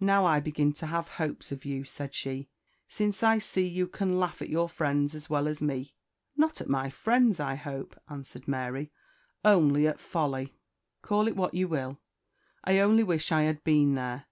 "Now I begin to have hopes of you," said she, "since I see you can laugh at your friends as well as me." "Not at my friends, I hope," answered Mary; "only at folly." "Call it what you will I only wish I had been there.